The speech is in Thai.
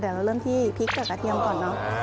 เดี๋ยวเราเริ่มที่พริกกับกระเทียมก่อน